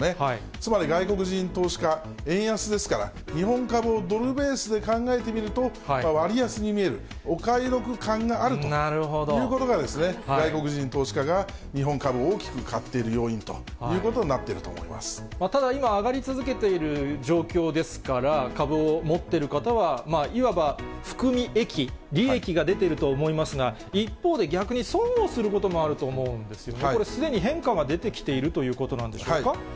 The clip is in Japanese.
つまり外国人投資家、円安ですから、日本株をドルベースで考えてみると、割安に見える、お買い得感があるということが、外国人投資家が日本株を大きく買っている要因ということになってただ、今、上がり続けている状況ですから、株を持っている方は、いわば、含み益、利益が出てると思いますが、一方で、逆に損をすることもあると思うんですよね、これ、すでに変化が出てきているということなんでしょうか。